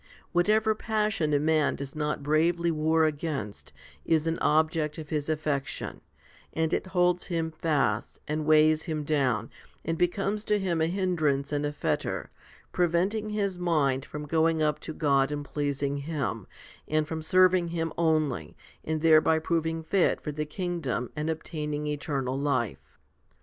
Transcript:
Whatever passion a man does not bravely war against, is an object of his affection ; and it holds him fast, and weighs him down, and becomes to him a hindrance and a fetter, preventing his mind from going up to God and pleasing Him, and from serving Him only and thereby proving fit for the kingdom and obtaining eternal life.